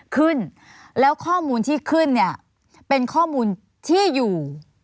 ขึ้นแล้วข้อมูลที่ขึ้นเนี่ยเป็นข้อมูลที่อยู่